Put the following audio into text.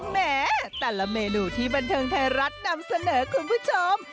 แม้แต่ละเมนูที่บันเทิงไทยรัฐนำเสนอคุณผู้ชม